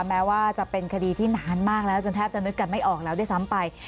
แม้ว่าจะเป็นคดีที่นานมากแล้วจนแทบจะนึกกันไม่ออกแล้วด้วยซ้ำไป